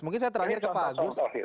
mungkin saya terakhir ke pak agus